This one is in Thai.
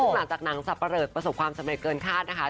หลังจากหนังสับปะเลิศประสบความสำเร็จเกินคาดนะคะ